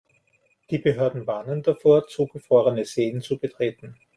Die Behörden warnen davor, zugefrorene Seen zu betreten.